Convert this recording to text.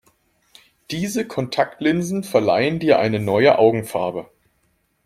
Diese Kontaktlinsen verleihen dir eine neue Augenfarbe.